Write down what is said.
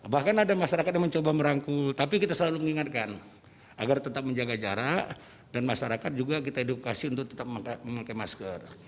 bahkan ada masyarakat yang mencoba merangkul tapi kita selalu mengingatkan agar tetap menjaga jarak dan masyarakat juga kita edukasi untuk tetap memakai masker